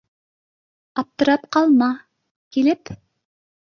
Аптырап ҡалма, килеп